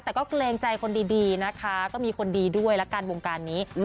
แต่ก็เกรงใจคนดีนะคะก็มีคนดีด้วยละกันวงการนี้